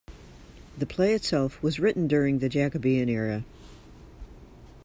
The play itself was written during the Jacobean era.